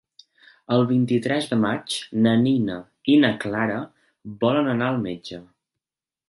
El vint-i-tres de maig na Nina i na Clara volen anar al metge.